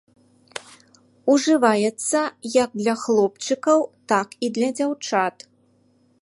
Ужываецца як для хлопчыкаў, так і дзяўчат.